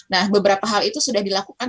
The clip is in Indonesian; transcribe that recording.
nah beberapa hal itu sudah dilakukan